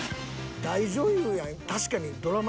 大女優やん。